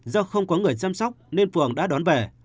do không có người chăm sóc nên phường đã đón về